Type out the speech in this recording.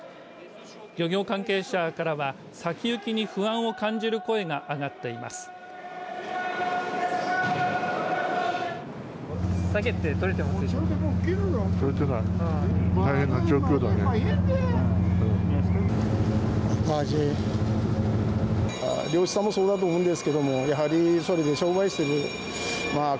漁業関係者からは先行きに不安を感じる声が上がっています。